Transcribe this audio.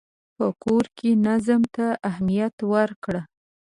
په کور کې نظم ته اهمیت ورکړه.